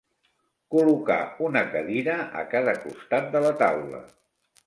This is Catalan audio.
Col·locar una cadira a cada costat de la taula.